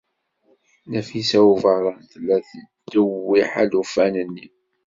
Nafisa n Ubeṛṛan tella tettdewwiḥ alufan-nni.